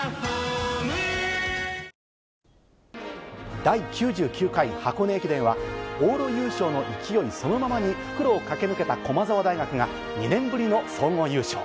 第９９回箱根駅伝は、往路優勝の勢いそのままに、復路を駆け抜けた駒澤大学が、２年ぶりの総合優勝。